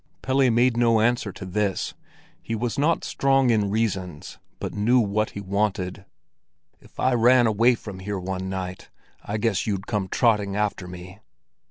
Pelle made no answer to this; he was not strong in reasons, but knew what he wanted. "If I ran away from here one night, I guess you'd come trotting after me."